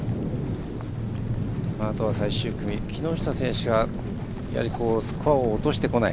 あとは最終組、木下選手がスコアを落としてこない。